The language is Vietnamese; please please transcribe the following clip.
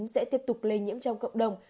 sẽ tiếp tục lây nhiễm trong cộng đồng